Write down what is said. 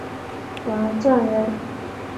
王篆人。